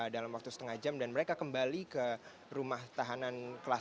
dalam waktu setengah jam dan mereka kembali ke rumah tahanan kelas satu